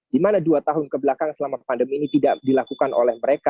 di mana dua tahun kebelakang selama pandemi ini tidak dilakukan oleh mereka